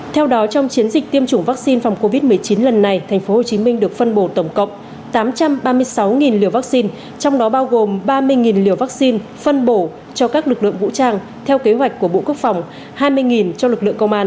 theo đó trong chiến dịch tiêm chủng vaccine phòng covid một mươi chín lần này tp hcm được phân bổ tổng cộng tám trăm ba mươi sáu liều vaccine trong đó bao gồm ba mươi liều vaccine phân bổ cho các lực lượng vũ trang theo kế hoạch của bộ quốc phòng hai mươi cho lực lượng công an